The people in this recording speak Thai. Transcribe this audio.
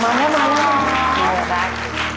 มาเนี่ยรัก